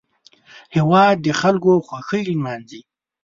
هېواد د خلکو خوښۍ لمانځي